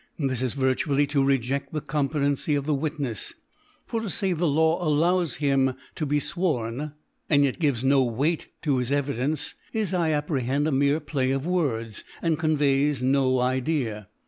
This is virtually to rcjeft the Competency of the Witnefs : For to fay the Law allows him to be fworn, and yet gives no Weight to his Evidence is, I apprehend, a mere Play of Words, and conveys no Idea.